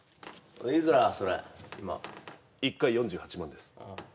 それ今１回４８万です